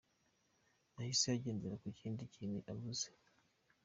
Yahise yigendera nta kindi kintu avuze.